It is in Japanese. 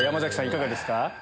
いかがですか？